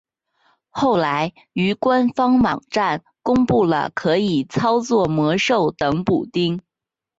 后来于官方网站公布了可以操作魔兽等补丁。